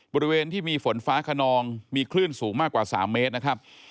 บริเวณที่มีฝนฟ้าขนองมีคลื่นสูงมากกว่า๓เมตรนะครับ